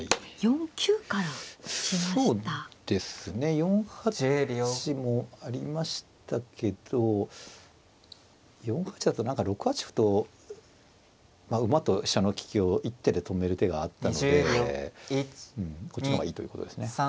４八もありましたけど４八だと何か６八歩と馬と飛車の利きを一手で止める手があったのでこっちの方がいいということですね。